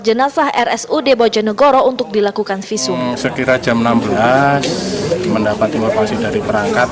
jenazah rsu debojonegoro untuk dilakukan visum sekitar jam enam belas mendapatkan operasi dari perangkat